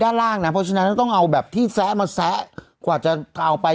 ด้านล่างนะเพราะฉะนั้นต้องเอาแบบที่แซะมาแซะกว่าจะเอาไป